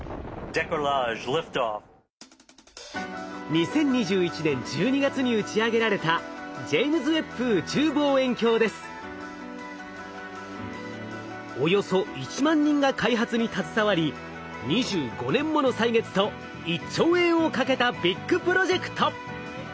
２０２１年１２月に打ち上げられたおよそ１万人が開発に携わり２５年もの歳月と１兆円をかけたビッグプロジェクト！